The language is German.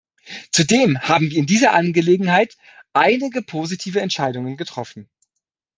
Zudem haben wir in dieser Angelegenheit einige positive Entscheidungen getroffen.